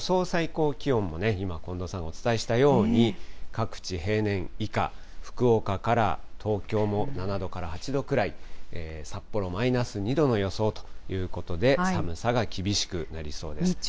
最高気温も今、近藤さんがお伝えしたように、各地、平年以下、福岡から東京も７度から８度くらい、札幌マイナス２度の予想ということで、寒さが厳しくなりそうです。